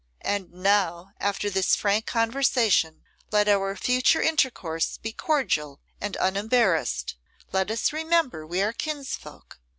And now, after this frank conversation, let our future intercourse be cordial and unembarrassed; let us remember we are kinsfolk.